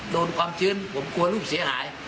ความชื้นผมกลัวลูกเสียหาย